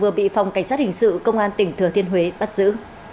vừa bị phòng cảnh sát hình sự công an tỉnh thừa thiên huế bắt giữ